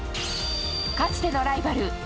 かつてのライバル